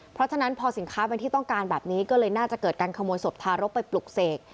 เพราะฉะนั้นพอสินค้าเป็นที่ต้องการแบบนี้ก็เลยน่าจะเกิดการขโมยศพทารกไปปลุกเสก